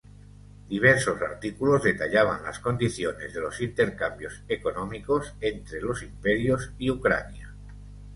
Diversos artículos detallaban las condiciones de los intercambios económicos entre los imperios y Ucrania.